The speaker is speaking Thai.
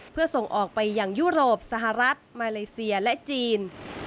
เพื่อส่งออกไปอย่างยุโรปสหรัฐมาเลเซียและจีน